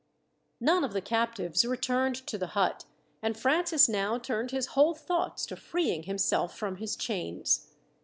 None of the captives returned to the hut, and Francis now turned his whole thoughts to freeing himself from his chains.